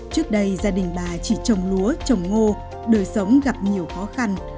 trước đây gia đình bà chỉ trồng lúa trồng ngô đời sống gặp nhiều khó khăn